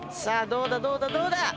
どうだどうだどうだ？